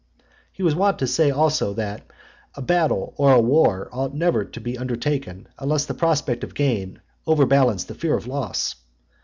He was wont to say also, that "a battle or a war ought never to be undertaken, unless the prospect of gain overbalanced the fear of loss.